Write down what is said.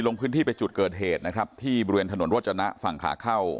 ลงพื้นที่ไปจุดเกิดเหตุนะครับที่บริเวณถนนโรจนะฝั่งขาเข้า